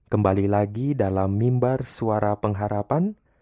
kembali lagi dalam mimbar suara pengharapan